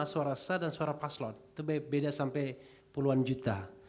suara sah dan suara paslon itu beda sampai puluhan juta